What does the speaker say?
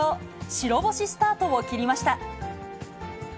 白星スタートを切りました。